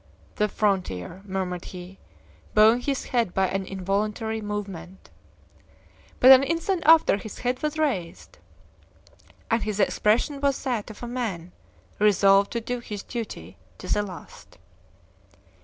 "The frontier!" murmured he, bowing his head by an involuntary movement. But an instant after his head was raised, and his expression was that of a man resolved to do his duty to the last.